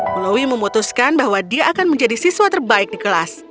melalui memutuskan bahwa dia akan menjadi siswa terbaik di kelas